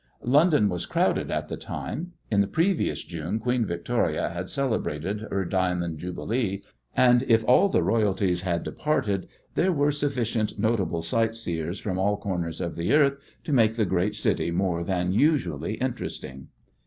London was crowded at the time. In the previous June Queen Victoria had celebrated her Diamond Jubilee, and if all the royalties had departed there were sufficient notable sight seers from all corners of the earth to make the great city more than usually interesting.